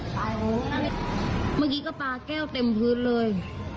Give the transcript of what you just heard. เมื่อกี้ก็ปลาแก้วเต็มพื้นเลย